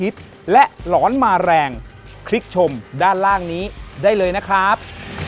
สวัสดีครับ